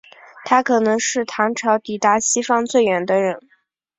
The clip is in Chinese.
他可能是唐朝抵达西方最远的人。